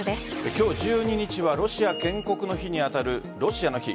今日１２日はロシア建国の日に当たるロシアの日。